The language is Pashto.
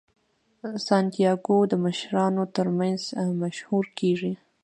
سانتیاګو د مشرانو ترمنځ مشهور کیږي.